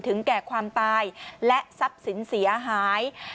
แก่ความตายและทรัพย์สินเสียหาย